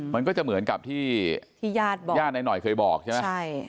มันก็จะเหมือนกับที่ยาดน้อยเคยบอกใช่ไหม